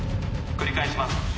繰り返します